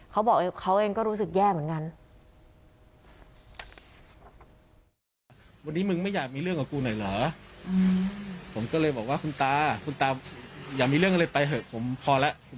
เขาบอกเขาเองก็รู้สึกแย่เหมือนกัน